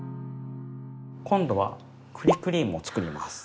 今度は栗クリームをつくります。